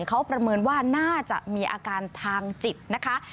เขาประเมินว่าน่าจะมีอาการทางจิตนะคะ